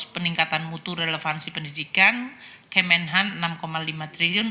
peningkatan mutu relevansi pendidikan kemenhan rp enam lima triliun